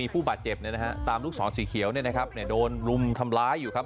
มีผู้บาดเจ็บเนี่ยนะครับตามลูกศรสีเขียวเนี่ยนะครับเนี่ยโดนลุมทำร้ายอยู่ครับ